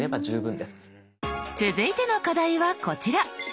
続いての課題はこちら！